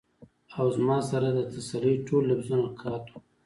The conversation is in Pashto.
او زما سره د تسلۍ ټول لفظونه قات وو ـ